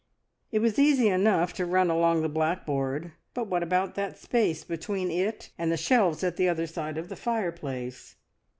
It was easy enough to run along the blackboard, but what about that space between it and the shelves at the other side of the fireplace?